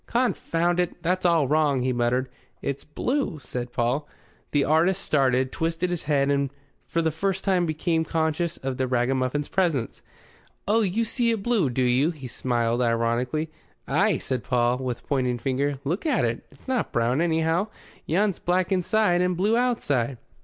"Confound it! that's all wrong," he muttered. "It's blue," said Paul. The artist started, twisted his head, and for the first time became conscious of the ragamuffin's presence. "Oh, you see it blue, do you?" He smiled ironically. "Ay," said Paul, with pointing finger. "Look at it. It's not brown, anyhow. Yon's black inside and blue outside."